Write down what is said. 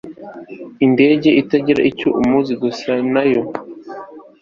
indege itagira icyo muzi gisa nayo